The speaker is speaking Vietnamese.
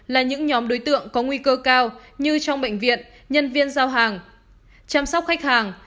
là những nhóm đối tượng có nguy cơ cao như trong bệnh viện nhân viên giao hàng chăm sóc khách hàng